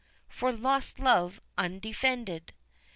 for lost love, undefended.)